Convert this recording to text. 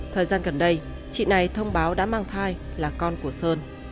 thời gian gần đây chị này thông báo đã mang thai là con của sơn